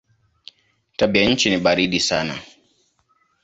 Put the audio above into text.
Tabianchi ni baridi sana.